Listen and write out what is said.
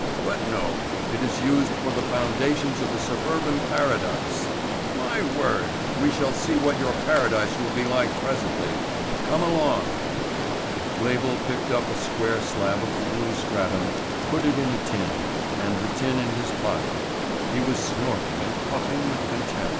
"But no, it is used for the foundations of a suburban paradise. My word, we shall see what your paradise will be like presently. Come along." Label picked up a square slab of the blue stratum, put it in a tin, and the tin in his pocket. He was snorting and puffing with contempt.